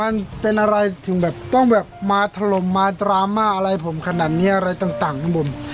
มันเป็นอะไรถึงแบบต้องแบบมาถล่มมาดราม่าอะไรผมขนาดนี้อะไรต่างข้างบน